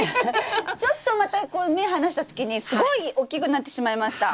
ちょっとまた目離した隙にすごい大きくなってしまいました。